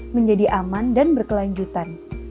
menjadi aman dan berkelanjutan